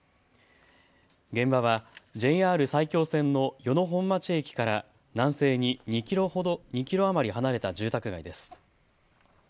現場はＪＲ埼京線の与野本町駅から南西に２キロ余り離れた住宅街です。